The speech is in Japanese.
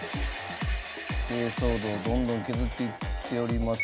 珪藻土をどんどん削っていっております。